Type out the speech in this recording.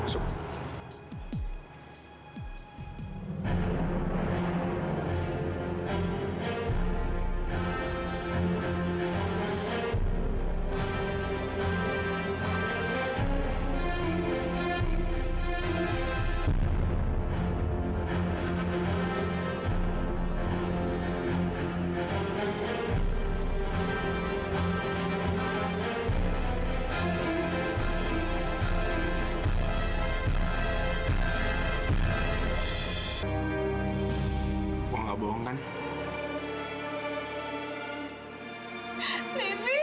saya bukan livi